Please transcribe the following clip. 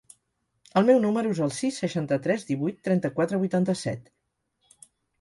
El meu número es el sis, seixanta-tres, divuit, trenta-quatre, vuitanta-set.